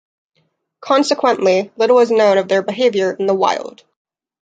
Consequently, little is known of their behaviour in the wild.